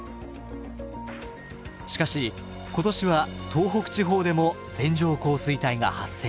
しかし今年は東北地方でも線状降水帯が発生。